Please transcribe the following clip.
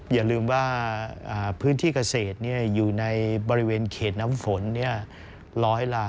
อย่าลืมว่าพื้นที่เกษตรอยู่ในบริเวณเขตน้ำฝน